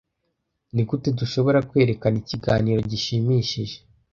Nigute dushobora kwerekana ikiganiro gishimishije?